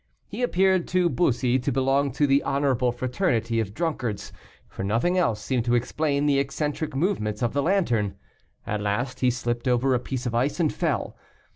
He appeared to Bussy to belong to the honorable fraternity of drunkards, for nothing else seemed to explain the eccentric movements of the lantern. At last he slipped over a piece of ice, and fell.